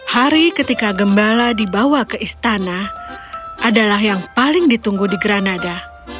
hari ketika gembala dibawa ke istana adalah yang paling ditunggu di granada